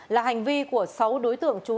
là hành vi của sáu đối tượng trú